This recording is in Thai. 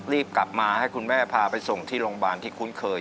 รีบกลับมาให้คุณแม่พาไปส่งที่โรงพยาบาลที่คุ้นเคย